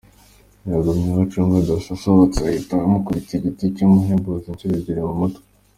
Yagumye aho acunga Dasso asohotse ahita amukubita igiti cy’umuhembezo inshuro ebyiri mu mutwe”.